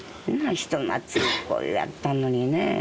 人懐っこい子やったのにね。